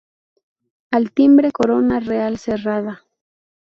Al timbre Corona Real cerrada.